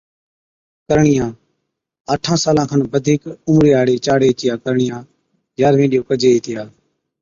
ڪرڻِيان، آٺان سالان کن بڌِيڪ عمري ھاڙِي چاڙي (ڇوھِرِي) چِيا ڪرڻِيان يارھوي ڏيئو ڪجي ھِتيا